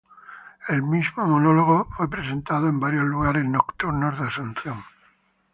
El mismo monólogo fue presentando en varios lugares nocturnos de Asunción.